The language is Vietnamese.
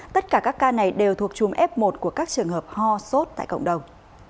tất cả các ca này đều thuộc chùm f một của các trường hợp ho sốt tại cộng đồng